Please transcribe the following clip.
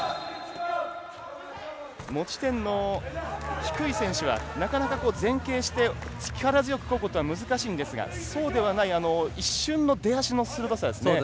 持ち点の低い選手がなかなか前傾して力強くこぐことは難しいんですがそうではない一瞬の出足の鋭さですね。